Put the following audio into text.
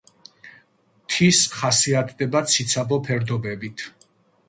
მთის ხასიათდება ციცაბო ფერდობებით.